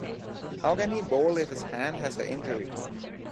How can he bowl if his hand has a injury?